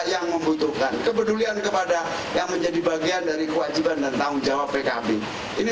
yang membutuhkan kepedulian kepada yang menjadi bagian dari kewajiban dan tanggung jawab pkb ini